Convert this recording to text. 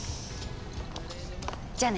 じゃあね。